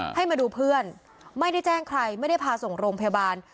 ให้มาดูเพื่อนไม่ได้แจ้งใครไม่ได้พาส่งโรงพยาบาล